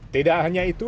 tidak hanya itu